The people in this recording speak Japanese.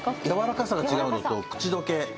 やわらかさが違うのと口溶け。